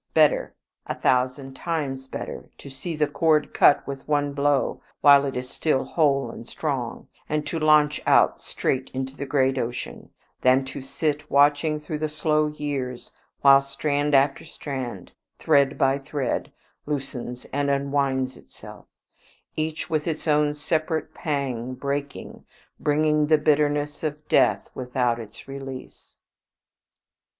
Better, a thousand times better, to see the cord cut with one blow while it is still whole and strong, and to launch out straight into the great ocean, than to sit watching through the slow years, while strand after strand, thread by thread, loosens and unwinds itself, each with its own separate pang breaking, bringing the bitterness of death without its release.